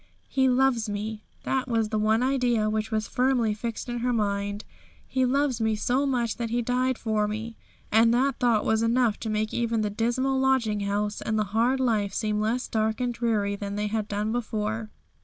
'He loves me;' that was the one idea which was firmly fixed in her mind. 'He loves me so much that He died for me.' And that thought was enough to make even the dismal lodging house and the hard life seem less dark and dreary than they had done before.